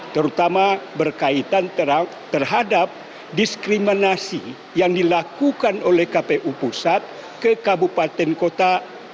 terutama berkaitan terhadap diskriminasi yang dilakukan oleh kpu pusat ke kabupaten kota